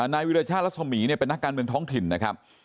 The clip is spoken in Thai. นายวิรชาติรัศมีร์เนี่ยเป็นนักการเมืองท้องถิ่นนะครับ